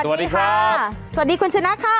สวัสดีสวัสดีครับคุณชีวิตนะคะ